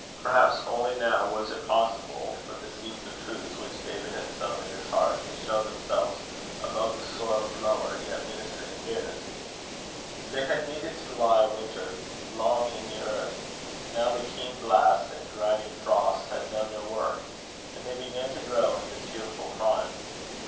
Perhaps only now was it possible for the seeds of truth, which David had sown in his heart, to show themselves above the soil of lower, yet ministering cares. They had needed to lie a winter long in the earth. Now the keen blasts and grinding frosts had done their work, and they began to grow in the tearful prime.